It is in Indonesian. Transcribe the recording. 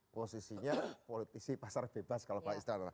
posisinya politisi pasar bebas kalau pak istara